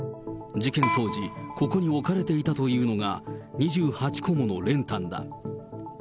事件当時、ここに置かれていたというのが、２８個もの練炭だ。